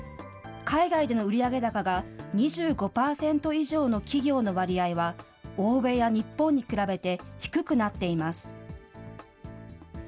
海外での売上高が２５％以上の企業の割合は、欧米や日本に比べて低くなっています。